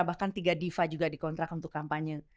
bahkan tiga diva juga dikontrak untuk kampanye